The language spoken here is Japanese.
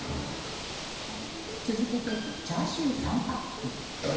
続けてチャーシュー、３パック。